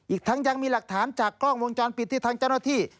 อีกทั้งยังมีหลักฐานจากกล้องวงจานปิดที่ทางจนโลธี